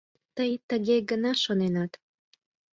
— Тый тыге гына шоненат.